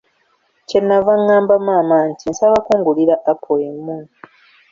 Kye nnava ngamba maama nti, nsaba kungulira apo emu.